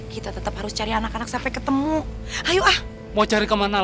kita tetep harus cari kemana mana